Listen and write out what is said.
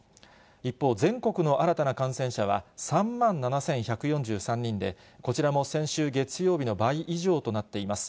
一方、全国の新たな感染者は３万７１４３人で、こちらも先週月曜日の倍以上となっています。